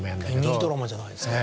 人気ドラマじゃないですか。